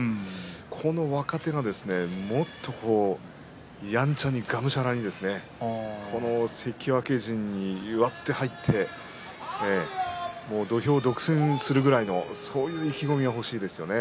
この若手がもっとやんちゃに、がむしゃらに関脇陣に割って入って土俵を独占するぐらいのそういう意気込みが欲しいですね。